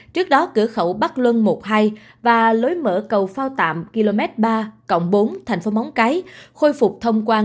trước đó cửa khẩu bắc luân một hai và lối mở cầu phao tạm km ba bốn thành phố móng cái khôi phục thông quan